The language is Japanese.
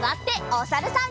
おさるさん。